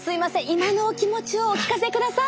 今のお気持ちをお聞かせください！